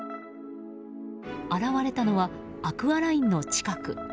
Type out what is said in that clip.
現れたのはアクアラインの近く。